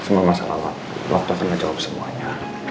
semua masalah waktu akan menjawab semuanya